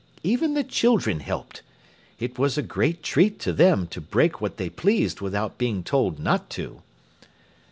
Even the children helped. It was a great treat to them to break what they pleased without being told not to.